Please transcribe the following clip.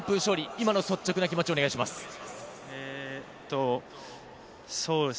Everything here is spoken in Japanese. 今の率直な気持ちをお願いします。